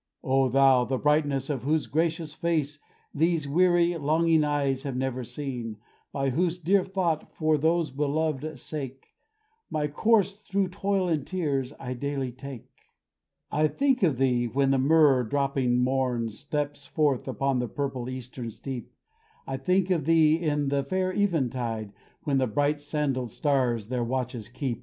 O thou, the brightness of whose gracious face These weary, longing eyes have never seen, By whose dear thought, for whose beloved sake, My course, through toil and tears, I daily take, I think of thee when the myrrh dropping morn Steps forth upon the purple eastern steep; I think of thee in the fair eventide, When the bright sandalled stars their watches keep.